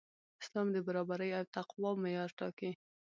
اسلام د برابرۍ او تقوی معیار ټاکي.